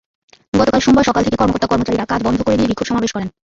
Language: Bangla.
গতকাল সোমবার সকাল থেকে কর্মকর্তা-কর্মচারীরা কাজ বন্ধ করে দিয়ে বিক্ষোভ সমাবেশ করেন।